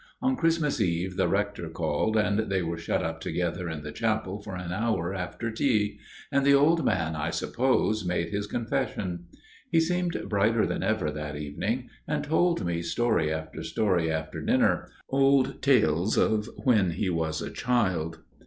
On Christmas Eve the Rector called, and they were shut up together in the chapel for an hour after tea; and the old man, I suppose, made his confession. He seemed brighter than ever that evening, and told me story after story after dinner, old tales of when he was a child.